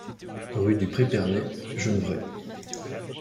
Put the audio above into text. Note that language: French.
Rue du Pré Perney, Genevrey